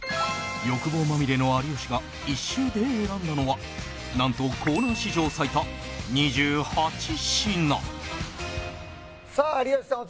欲望まみれの有吉が一周で選んだのはなんとコーナー史上最多２８品さあ有吉さん